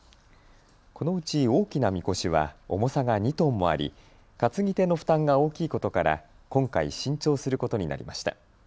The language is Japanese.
このうち大きなみこしは重さが２トンもあり担ぎ手の負担が大きいことから今回、新調することになりました。